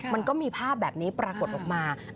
มันก็มีภาพแบบนี้ปรากฏออกมา